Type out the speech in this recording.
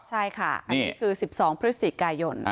ใช่ค่ะอันนี้คือ๑๒พฤศจิกายน